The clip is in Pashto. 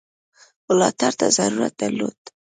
ملاتړ ته ضرورت درلود.